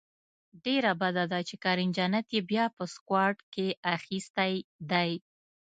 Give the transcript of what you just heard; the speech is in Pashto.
ډیره بده ده چې کریم جنت یې بیا په سکواډ کې اخیستی دی